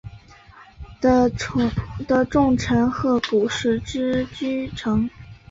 的重臣鹤谷氏之居城。